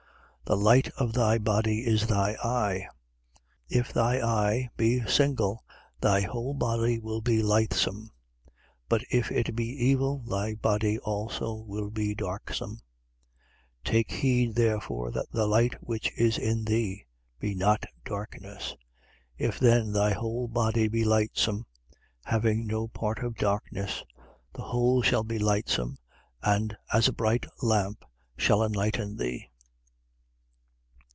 11:34. The light of thy body is thy eye. If thy eye be single, thy whole body will be lightsome: but if it be evil, thy body also will be darksome. 11:35. Take heed therefore that the light which is in thee be not darkness. 11:36. If then thy whole body be lightsome, having no part of darkness: the whole shall be lightsome and, as a bright lamp, shall enlighten thee.